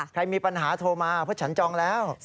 ใครมีปัญหาโทรมาเพราะฉันจองแล้ว